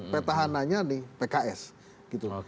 petahananya nih pks gitu